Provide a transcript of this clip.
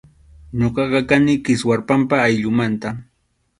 Ñuqaqa kani Kiswarpampa ayllumanta.